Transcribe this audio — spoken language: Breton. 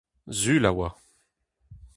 Sul a oa.